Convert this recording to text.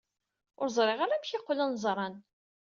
Ur ẓriɣ ara amek ay qqlen ẓran.